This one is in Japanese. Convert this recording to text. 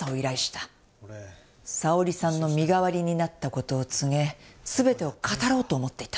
さおりさんの身代わりになった事を告げ全てを語ろうと思っていた。